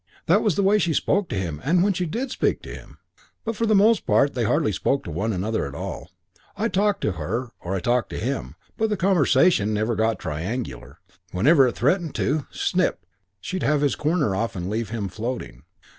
That was the way she spoke to him when she did speak to him. But for the most part they hardly spoke to one another at all. I talked to her, or I talked to him, but the conversation never got triangular. Whenever it threatened to, snip! she'd have his corner off and leave him floating.